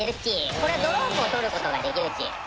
これドローンも取ることができるッチ。